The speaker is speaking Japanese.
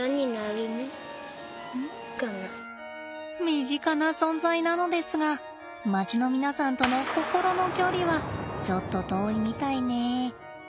身近な存在なのですが街の皆さんとの心の距離はちょっと遠いみたいね。